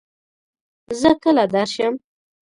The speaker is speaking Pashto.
زۀ کله درشم ؟